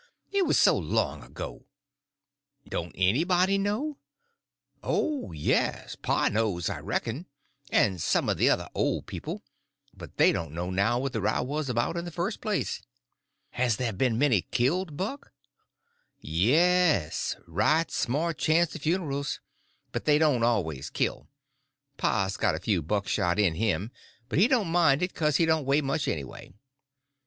It was so long ago." "Don't anybody know?" "Oh, yes, pa knows, I reckon, and some of the other old people; but they don't know now what the row was about in the first place." "Has there been many killed, Buck?" "Yes; right smart chance of funerals. But they don't always kill. Pa's got a few buckshot in him; but he don't mind it 'cuz he don't weigh much, anyway.